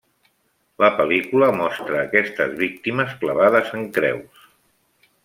La pel·lícula mostra aquestes víctimes clavades en creus.